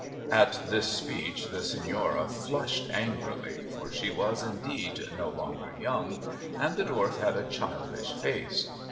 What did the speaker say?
At this speech the Signora flushed angrily, for she was indeed no longer young, and the Dwarf had a childish face.